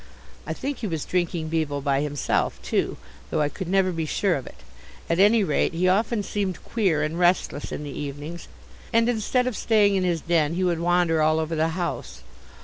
I think he was drinking bevo by himself, too, though I could never be sure of it. At any rate he often seemed queer and restless in the evenings, and instead of staying in his den he would wander all over the house.